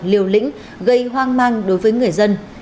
liêu lĩnh gây hoang mang đối với người dân